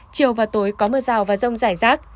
chiều và tối có mưa rào và rông rải rác